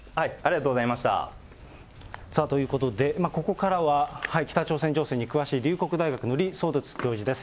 さあ、ということで、ここからは北朝鮮情勢に詳しい龍谷大学の李相哲教授です。